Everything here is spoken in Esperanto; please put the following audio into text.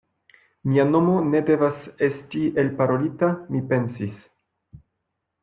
Mia nomo ne devas esti elparolita, mi pensis.